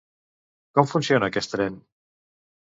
Com funciona aquest tren?